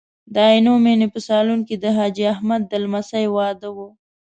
د عینومېنې په سالون کې د حاجي احمد د لمسۍ واده و.